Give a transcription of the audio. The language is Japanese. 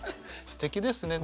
すてきですね。